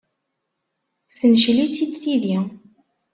Tencel-itt-id tidi.